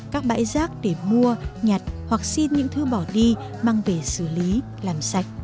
các bãi rác để mua nhặt hoặc xin những thứ bỏ đi mang về xử lý làm sạch